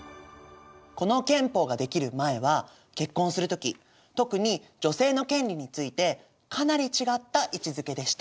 この憲法ができる前は結婚する時特に女性の権利についてかなり違った位置づけでした。